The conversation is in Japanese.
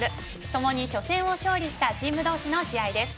共に初戦を勝利したチーム同士の試合です。